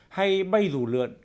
hay bay rủ lượn